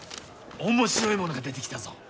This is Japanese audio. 面白いものが出てきたぞ！